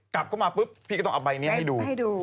กลับเข้ามาพี่ก็ต้องเอาใบนี้ให้ดู